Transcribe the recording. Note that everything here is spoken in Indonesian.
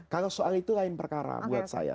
kalau soal itu lain perkara buat saya